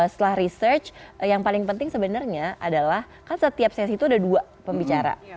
setelah research yang paling penting sebenarnya adalah kan setiap sesi itu ada dua pembicara